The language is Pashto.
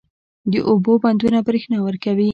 د اوبو بندونه برښنا ورکوي